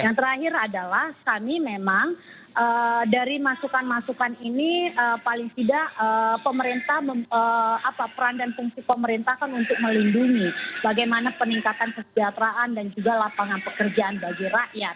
yang terakhir adalah kami memang dari masukan masukan ini paling tidak pemerintah peran dan fungsi pemerintah kan untuk melindungi bagaimana peningkatan kesejahteraan dan juga lapangan pekerjaan bagi rakyat